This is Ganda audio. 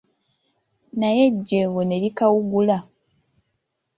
Naye ejeengo ne likawugula.